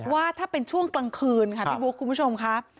ว่าถ้าเป็นช่วงกลางคืนค่ะพี่บุ๊คคุณผู้ชมค่ะ